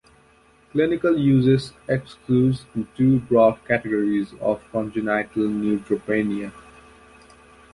Clinical usage excludes two broad categories of congenital neutropenia.